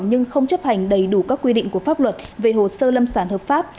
nhưng không chấp hành đầy đủ các quy định của pháp luật về hồ sơ lâm sản hợp pháp